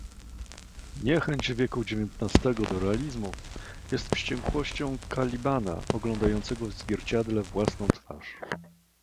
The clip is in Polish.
Niechęć wieku dziewiętnastego do Realizmu jest wściekłością Kalibana oglądającego w zwierciadle własną twarz.